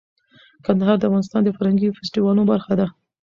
کندهار د افغانستان د فرهنګي فستیوالونو برخه ده.